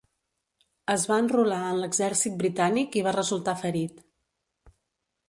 Es va enrolar en l'exèrcit britànic i va resultar ferit.